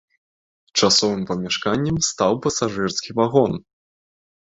Часовым памяшканнем стаў пасажырскі вагон.